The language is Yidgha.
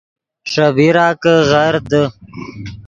ݰے بیرا کہ غر دے